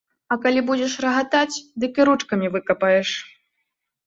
А калі будзеш рагатаць, дык і ручкамі выкапаеш!